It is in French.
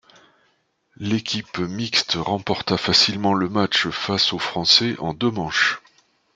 L'équipe mixte remporta facilement le match face aux Français en deux manches.